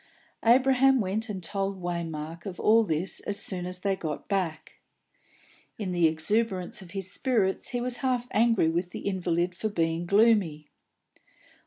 Abraham went and told Waymark of all this as soon as they got back. In the exuberance of his spirits he was half angry with the invalid for being gloomy.